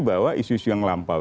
bahwa isu isu yang lampau